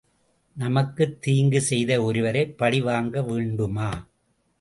நமக்குத் தீங்கு செய்த ஒருவரைப் பழிவாங்க வேண்டுமா?